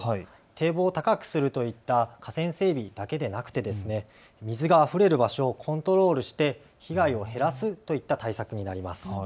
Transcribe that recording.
堤防を高くするといった河川整備だけではなく水があふれる場所をコントロールして被害を減らすという対策です。